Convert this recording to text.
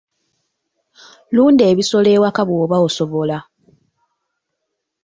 Lunda ebisolo ewaka bw'oba osobola.